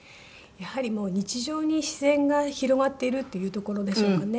やはりもう日常に自然が広がっているというところでしょうかね。